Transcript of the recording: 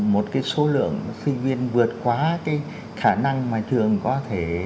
một cái số lượng sinh viên vượt quá cái khả năng mà trường có thể